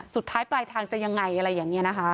สุดท้ายปลายทางจะยังไงอะไรอย่างนี้นะคะ